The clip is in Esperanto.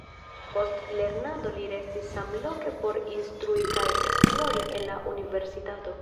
Post lernado li restis samloke por instrui kaj esplori en la universitato.